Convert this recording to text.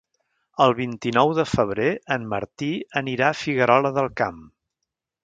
El vint-i-nou de febrer en Martí anirà a Figuerola del Camp.